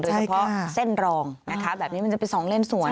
โดยเฉพาะเส้นรองนะคะแบบนี้มันจะเป็นสองเล่นส่วน